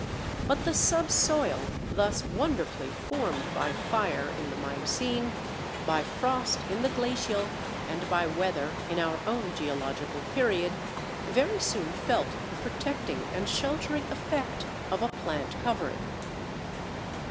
But the subsoil, thus wonderfully formed by fire in the miocene, by frost in the glacial, and by weather in our own geological period, very soon felt the protecting and sheltering effect of a plant covering.